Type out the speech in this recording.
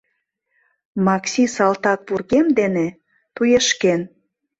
Макси салтак вургем дене, туешкен.